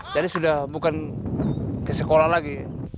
jadi sudah bukan ke sekolah lagi